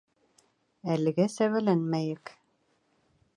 Әлегә сәбәләнмәйек.